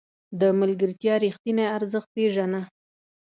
د ملګرتیا رښتیني ارزښت پېژنه.